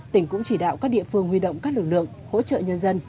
tỉnh cũng chỉ đạo các địa phương huy động các lực lượng hỗ trợ nhân dân